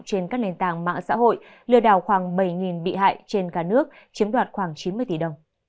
trên các nền tảng mạng xã hội lừa đảo khoảng bảy bị hại trên cả nước chiếm đoạt khoảng chín mươi tỷ đồng